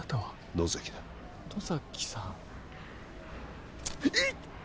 野崎だ野崎さんいっ！